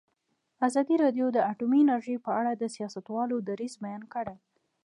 ازادي راډیو د اټومي انرژي په اړه د سیاستوالو دریځ بیان کړی.